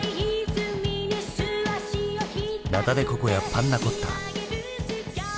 ナタ・デ・ココやパンナ・コッタ。